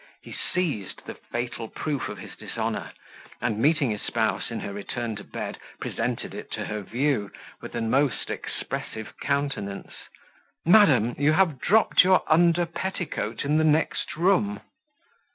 He seized the fatal proof of his dishonour, and, meeting his spouse in her return to bed, presented it to her view, with a most expressive countenance, "Madam, you have dropped your under petticoat in the next room."